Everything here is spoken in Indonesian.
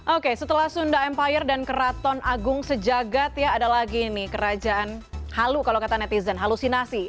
oke setelah sunda empire dan keraton agung sejagat ya ada lagi nih kerajaan halu kalau kata netizen halusinasi